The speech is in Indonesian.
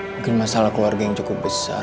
mungkin masalah keluarga yang cukup besar